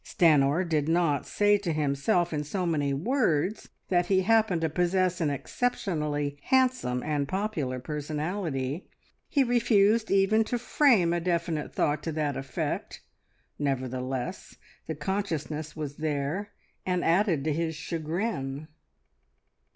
Stanor did not say to himself in so many words that he happened to possess an exceptionally handsome and popular personality, he refused even to frame a definite thought to that effect; nevertheless the consciousness was there, and added to his chagrin.